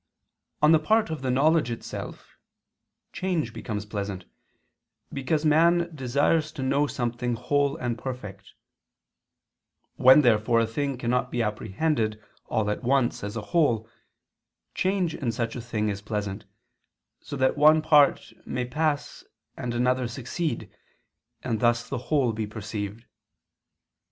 On the part of the knowledge itself (change becomes pleasant), because man desires to know something whole and perfect: when therefore a thing cannot be apprehended all at once as a whole, change in such a thing is pleasant, so that one part may pass and another succeed, and thus the whole be perceived.